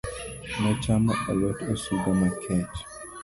Nachamo alot osuga makech